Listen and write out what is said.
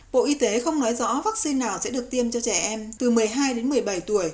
bộ y tế không nói rõ vaccine nào sẽ được tiêm cho trẻ em từ một mươi hai đến một mươi bảy tuổi